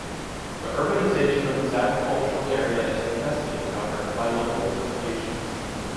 The urbanization of this agricultural area is contested, however, by local associations.